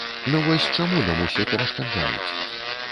Ну вось чаму нам усе перашкаджаюць?